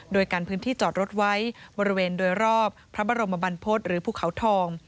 โดยกันพื้นที่จอดรถไว้บริเวณโดยรอบพระบรมบรรพฤษหรือภูเขาทอง